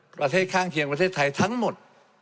ประเทศข้างเคียงประเทศไทยทั้งหมด